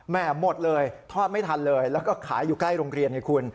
หมดเลยทอดไม่ทันเลยแล้วก็ขายอยู่ใกล้โรงเรียนไงคุณ